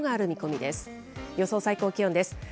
予想最高気温です。